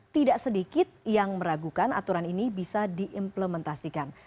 tidak sedikit yang meragukan aturan ini bisa diimplementasikan